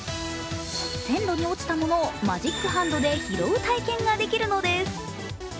線路に落ちたものをマジックハンドで拾う体験ができるのです。